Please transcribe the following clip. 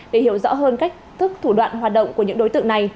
để hiểu rõ hơn cách thức thủ đoạn hoạt động của những đối tượng này